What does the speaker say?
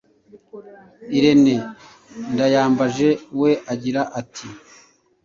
Irené Ndayambaje, we agira ati